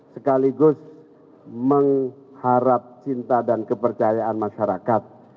sekaligus mengharap cinta dan kepercayaan masyarakat